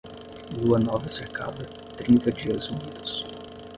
Lua nova cercada, trinta dias úmidos.